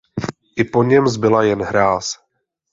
I po něm zbyla jen hráz.